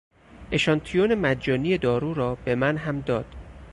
اشانتیون مجانی دارو را به من هم داد.